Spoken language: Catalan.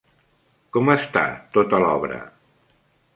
Com està tota l'obra?